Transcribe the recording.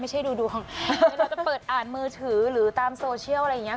ดูดวงหรือเราจะเปิดอ่านมือถือหรือตามโซเชียลอะไรอย่างเงี้